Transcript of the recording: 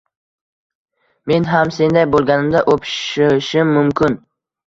— Men ham senday bo‘lganimda o‘pishishim mumkin!